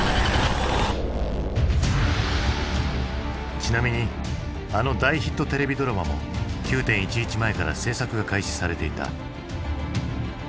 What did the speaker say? ちなみにあの大ヒットテレビドラマも９．１１前から製作が開始されていた。